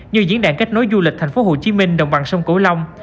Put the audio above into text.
như diễn đàn kết nối du lịch thành phố hồ chí minh đồng bằng sông cổ long